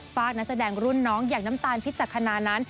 ฝากนักแสดงรุ่นน้องอย่างน้ำตาลพิจักษณานั้น